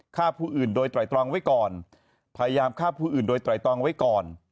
ฆ่าผู้อื่นโดยไตรตรองไว้ก่อนพยายามฆ่าผู้อื่นโดยไตรตรองไว้ก่อน